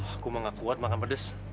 aku mah gak kuat makan pedas